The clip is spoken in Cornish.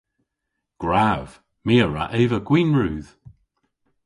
Gwrav. My a wra eva gwin rudh.